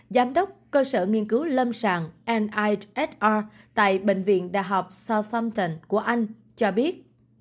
giám đốc cơ sở nghiên cứu lâm sàng nihr tại bệnh viện đại học southampton của anh cho biết